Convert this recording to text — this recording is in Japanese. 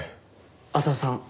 浅輪さん。